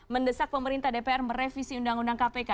mendesak pemerintah dpr merevisi undang undang kpk